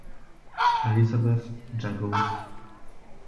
Elisabeth Jeggle